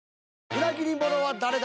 裏切者は誰だ？